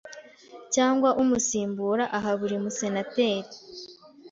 cyangwa umusimbura aha buri Musenateri